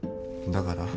だから？